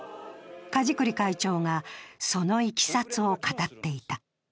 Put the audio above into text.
梶栗会長が、そのいきさつを語っていた。